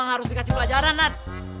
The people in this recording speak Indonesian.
emang harus dikasih pelajaran nad